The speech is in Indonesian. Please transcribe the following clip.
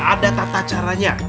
ada tata caranya